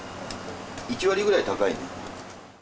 １割ぐらい高い。